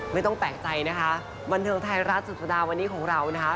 ไม่ต้องแปลกใจนะคะบันเทิงไทยรัฐสุดสัปดาห์วันนี้ของเรานะคะ